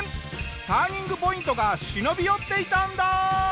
ターニングポイントが忍び寄っていたんだ！